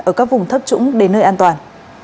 ở các vùng thấp trũng đến nơi an toàn